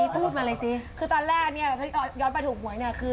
พูดมาสิคือตอนแรกถ้าย้อนไปถูกหมดนี่คือ